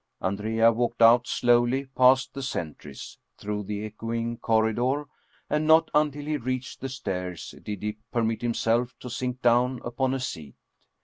Andrea walked out slowly past the sentries, through the echoing corridor, and not until he reached the stairs did he permit himself to sink down upon a seat.